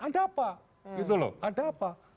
ada apa gitu loh ada apa